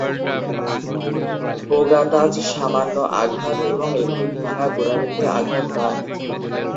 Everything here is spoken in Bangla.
বোগাতাজ সামান্য আঘাত এবং একটি ভাঙ্গা গোড়ালিতে আঘাত পান।